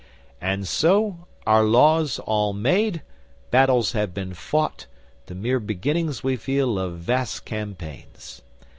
And so our laws all made, battles have been fought, the mere beginnings, we feel, of vast campaigns.